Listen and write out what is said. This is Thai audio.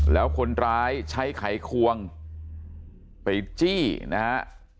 แล้วคนร้ายใช้ไขควงไปจี้นะฮะ